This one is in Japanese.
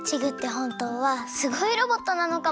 ほんとうはすごいロボットなのかも。